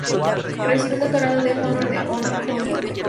Recibió un doctorado de Honor de Montar Holyoke.